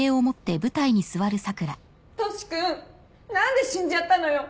トシ君何で死んじゃったのよ。